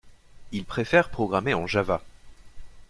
Il préfère programmer en java.